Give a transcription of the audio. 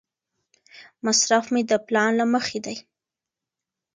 مصرف مې د پلان له مخې دی.